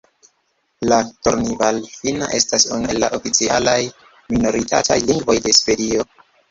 La Tornival-finna estas unu el la oficialaj minoritataj lingvoj de Svedio.